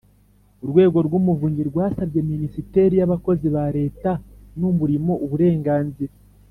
Urwego rw Umuvunyi rwasabye Minisiteri y Abakozi ba Leta n Umurimo uburenganzira